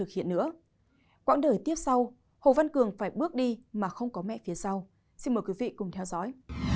hồ văn cường phải bước đi mà không có mẹ phía sau xin mời quý vị cùng theo dõi